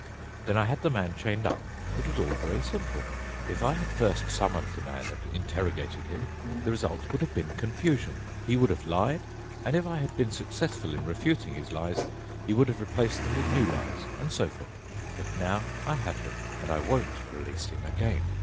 Then I had the man chained up. It was all very simple. If I had first summoned the man and interrogated him, the result would have been confusion. He would have lied, and if I had been successful in refuting his lies, he would have replaced them with new lies, and so forth. But now I have him, and I won't release him again.